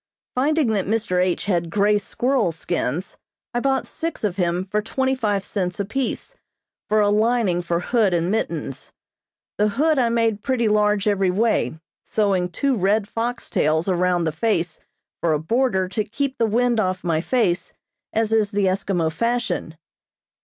Finding that Mr. H. had grey squirrel skins, I bought six of him for twenty five cents apiece, for a lining for hood and mittens. The hood I made pretty large every way, sewing two red fox tails around the face for a border to keep the wind off my face, as is the Eskimo fashion.